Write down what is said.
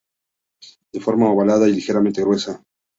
De forma ovalada y ligeramente gruesa.